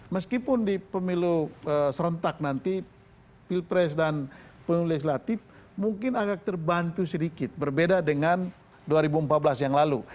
meskipun di pemilu serentak nanti pilpres dan pemilu legislatif mungkin agak terbantu sedikit berbeda dengan dua ribu empat belas yang lalu